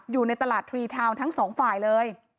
อยู่ในตลาดทรีทาวน์ทั้งสองฝ่ายเลย